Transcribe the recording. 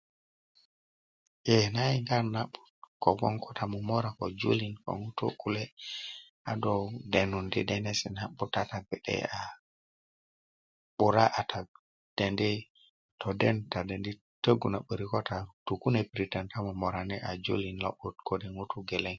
ee nan yinga a na'but kogwon ko ta momora ko julin ko ŋutu kule a do denundi denesi na'but a ta gbe'de a 'bura a ta dendi toden ta dendi' tögu na 'börik ko ta tu yi kune' piritön ta momorani a julin lo'but kode' ŋutu geleŋ